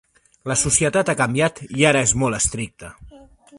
La societat ha canviat i ara és molt estricta.